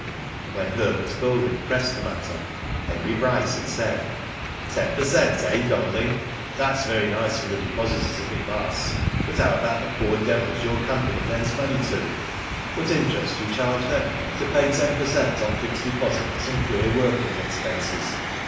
When Herbert Golding pressed the matter, Henrv Bryce had said: Ten per cent, eh! Golding? That^s very nice for the depositors if it lasts ; but how about the poor devils you^ Digitized byGoogk THE NEW MEMBER. 33 company lends money to? What interest do you charge them, to pay ten per cent on fixed de posits and clear working expenses